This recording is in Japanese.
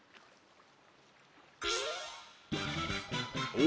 お？